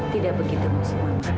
tidak begitu mas